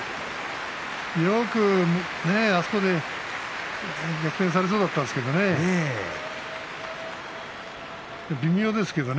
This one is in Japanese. よくあそこで逆転されそうだったけれど微妙ですけれど。